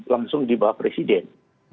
langsung di bawah presiden